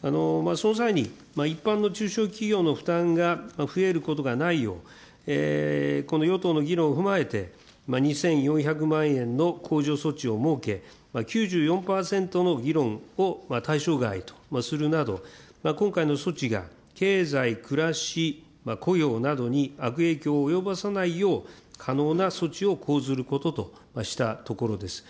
その際に、一般の中小企業の負担が増えることがないよう、この与党の議論を踏まえて２４００万円の控除措置を設け、９４％の議論を対象外とするなど、今回の措置が経済、暮らし、雇用などに悪影響を及ぼさないよう、可能な措置を講ずることとしたところです。